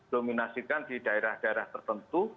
dominasikan di daerah daerah tertentu